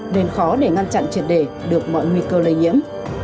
nên khó để ngăn chặn triệt để được mọi nguy cơ lây nhiễm